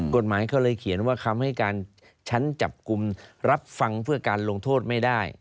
กฎหมายเขาเลยเขียนว่าคำให้การชั้นจับกลุ่มรับฟังเพื่อการลงโทษไม่ได้